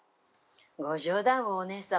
ご冗談を、お姉様。